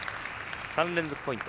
３連続ポイント。